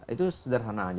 itu sederhana aja